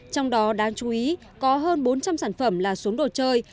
trong đó đáng chú ý có hơn bốn trăm linh sản phẩm là xuống đồ chơi